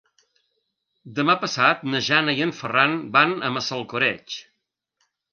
Demà passat na Jana i en Ferran van a Massalcoreig.